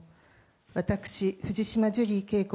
私、藤島ジュリー景子